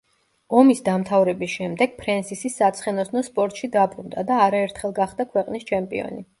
ომის დამთავრების შემდეგ ფრენსისი საცხენოსნო სპორტში დაბრუნდა და არაერთხელ გახდა ქვეყნის ჩემპიონი.